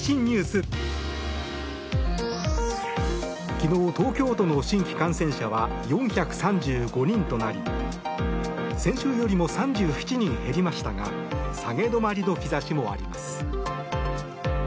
昨日、東京都の新規感染者は４３５人となり先週よりも３７人減りましたが下げ止まりの兆しもあります。